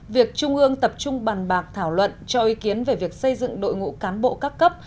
việc trung ương tập trung bàn bạc thảo luận cho ý kiến về việc xây dựng đội ngũ cán bộ các cấp